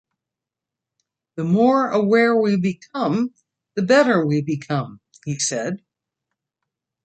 "The more aware we become, the better we become," he said.